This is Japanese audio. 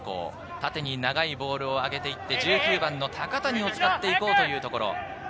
縦に長いボールを上げて行って１９番・高谷を使っていこうというところ。